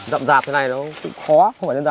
dậm dạp thế này nó cũng khó không phải đơn giản